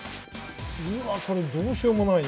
うわこれどうしようもないね